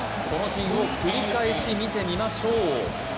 このシーンを繰り返し見てみましょう。